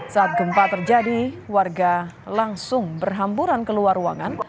saat gempa terjadi warga langsung berhamburan keluar ruangan